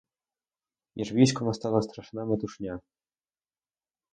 Між військом настала страшна метушня.